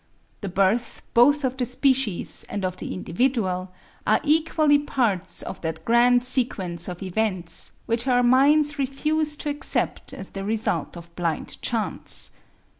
The birth both of the species and of the individual are equally parts of that grand sequence of events, which our minds refuse to accept as the result of blind chance.